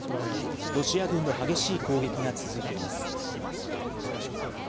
ロシア軍の激しい攻撃が続いています。